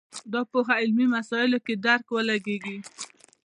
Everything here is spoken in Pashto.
دا پوهه علمي مسایلو کې درد ولګېږي